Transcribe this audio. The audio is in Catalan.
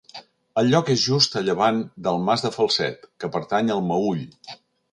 El lloc és just a llevant del Mas de Falset, que pertany al Meüll.